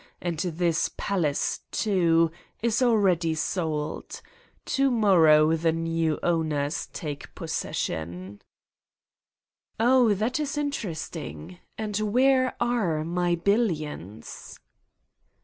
And this pal ace, too, is already sold. To morrow the new owners take possession." "Oh, that is interesting. And where are my billions?"